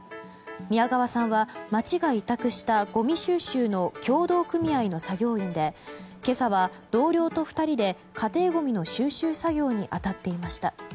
宮川さんは町が委託したごみ収集の協同組合の作業員で今朝は同僚と２人で家庭ごみの収集作業に当たっていました。